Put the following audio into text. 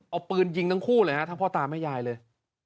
เอาปืนยิงทั้งคู่เลยฮะทั้งพ่อตาแม่ยายเลย